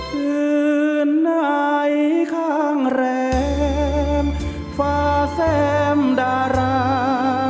คืนในข้างแรมฟ้าแซมดารา